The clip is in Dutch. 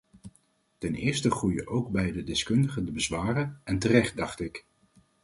Ten eerste groeien ook bij de deskundigen de bezwaren, en terecht dacht ik.